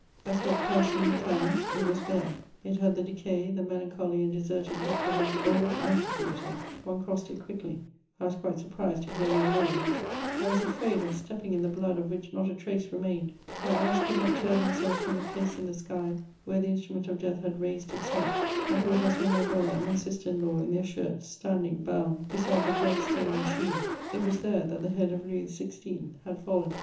As for the Place Louis XV., it was bare: it had the decay, the melancholy and deserted look of an old amphitheatre; one crossed it quickly; I was quite surprised to hear no moans; I was afraid of stepping in the blood of which not a trace remained; my eyes could not tear themselves from the place in the sky where the instrument of death had raised its head; I thought I saw my brother and my sister in law in their shirts, standing, bound, beside the blood stained machine: it was there that the head of Louis XVI. had fallen.